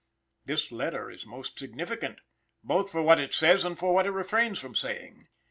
This letter is most significant, both for what it says and for what it refrains from saying.